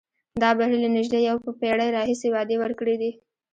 دا بهیر له نژدې یوه پېړۍ راهیسې وعدې ورکړې دي.